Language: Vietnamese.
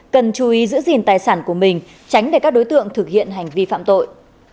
cần chú ý giữ gìn tài sản của mình tránh để các đối tượng thực hiện hành vi phạm tội